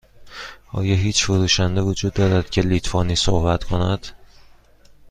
آیا هیچ فروشنده وجود دارد که لیتوانی صحبت کند؟